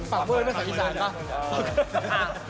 ปากเวิิร์สวัสดีฟัง